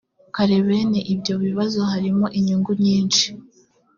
kare bene ibyo bibazo harimo inyungu nyinshi